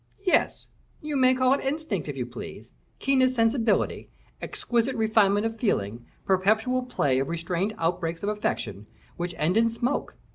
"Yes, you may call it instinct, if you please, keenest sensibility, exquisite refinement of feeling, perpetual play of restrained outbreaks of affection, which end in smoke.